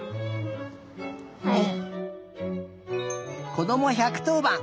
こども１１０ばん。